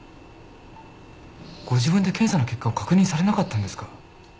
ご自分で検査の結果を確認されなかったんですか？